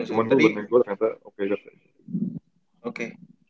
cuman gue bener gue ternyata oke oke